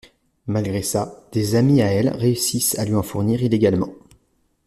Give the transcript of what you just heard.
Malgré ça, des amis à elle réussissent à lui en fournir illégalement.